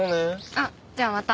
あっじゃあまた。